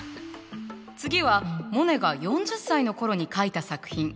次はモネが４０歳の頃に描いた作品。